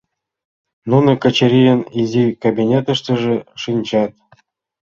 Нуно Качырийын изи кабинетыштыже шинчат.